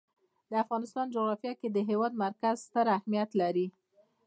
د افغانستان جغرافیه کې د هېواد مرکز ستر اهمیت لري.